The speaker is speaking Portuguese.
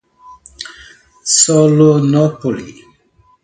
Solonópole